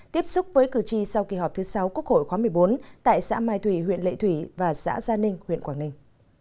tiếp xúc với cử tri sau kỳ họp thứ sáu quốc hội khóa một mươi bốn tại xã mai thủy huyện lệ thủy và xã gia ninh huyện quảng ninh